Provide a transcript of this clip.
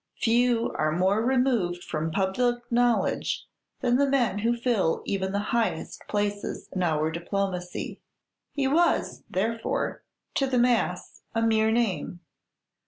Few are more removed from public knowledge than the men who fill even the highest places in our diplomacy. He was, therefore, to the mass a mere name.